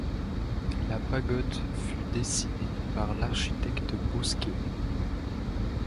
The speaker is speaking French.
La pagode fut dessinée par l’architecte Bosquet.